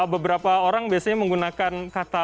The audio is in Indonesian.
beberapa orang biasanya menggunakan kata